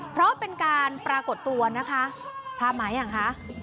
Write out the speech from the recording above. เพราะเป็นการปรากฏตัวนะคะพามายังคะ